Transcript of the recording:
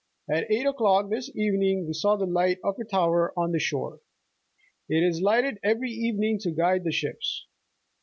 At eight o'clock this evening we saw the light of a tower on the shore. It is lig?ited every evening to guide the ships.